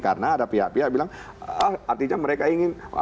karena ada pihak pihak bilang artinya mereka ingin